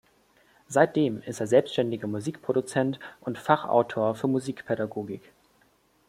Seitdem ist er selbständiger Musikproduzent und Fachautor für Musikpädagogik.